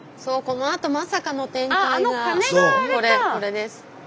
このあとまさかの展開がこれです。